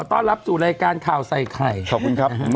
พอรับสู่โลยการข่าวไซคลัย